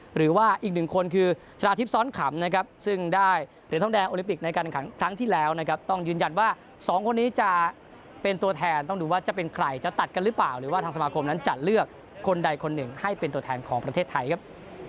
หรือว่าอีกหนึ่งคนคือชนะทิพย์ซ้อนขำนะครับซึ่งได้เหรียญทองแดงโอลิปิกในการขันครั้งที่แล้วนะครับต้องยืนยันว่าสองคนนี้จะเป็นตัวแทนต้องดูว่าจะเป็นใครจะตัดกันหรือเปล่าหรือว่าทางสมาคมนั้นจะเลือกคนใดคนหนึ่งให้เป็นตัวแทนของประเทศไทยครับ